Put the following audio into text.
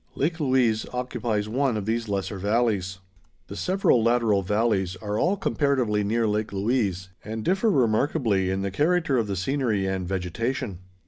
Lake Louise occupies one of these lesser valleys. The several lateral valleys are all comparatively near Lake Louise and differ remarkably in the character of the scenery and vegetation.